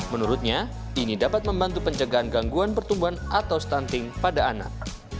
menurutnya ini dapat membantu pencegahan gangguan pertumbuhan atau stunting pada anak